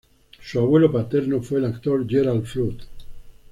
Su abuelo paterno fue el actor Gerald Flood.